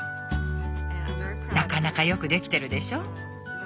なかなか良くできてるでしょ？